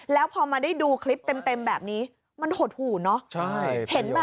แล้วพอมาได้ดูคลิปเต็มแบบนี้มันหดหู่เนอะ